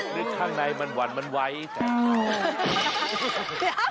นึกข้างในมันหวั่นมันไว้แต่